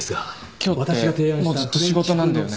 今日ってもうずっと仕事なんだよね。